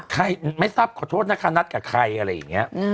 ไม่ทราบขอโทษนะคะนัดกับใครอะไรอย่างนี้